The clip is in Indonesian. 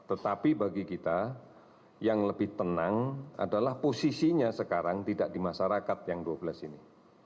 tetapi bagi kita yang lebih tenang adalah posisinya sekarang tidak di masyarakat yang dua belas ini